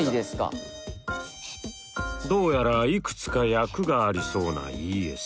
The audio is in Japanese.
どうやらいくつか訳がありそうなＥＳ。